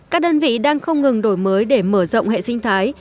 các đơn vị đang không ngừng đổi mới để mở rộng hệ sinh thái